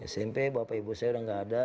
smp bapak ibu saya udah gak ada